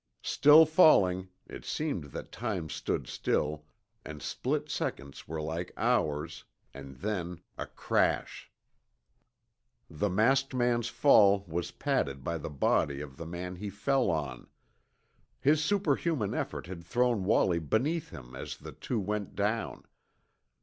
Still falling it seemed that time stood still and split seconds were like hours and then a crash. The masked man's fall was padded by the body of the man he fell on. His superhuman effort had thrown Wallie beneath him as the two went down.